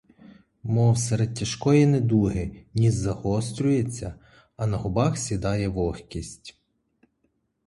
Мов серед тяжкої недуги, ніс загострюється, а на губах сідає вогкість.